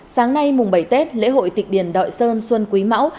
sáng nay mùng bảy tết lễ hội tịch điền đội sơn xuân quý mão